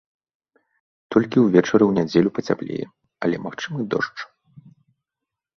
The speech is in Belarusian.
Толькі ўвечары ў нядзелю пацяплее, але магчымы дождж.